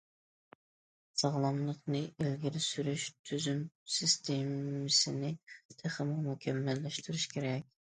ساغلاملىقنى ئىلگىرى سۈرۈش تۈزۈم- سىستېمىسىنى تېخىمۇ مۇكەممەللەشتۈرۈش كېرەك.